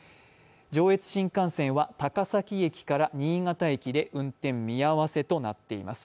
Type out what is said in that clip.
上越新幹線は高崎駅から新潟駅で運転見合せとなっています。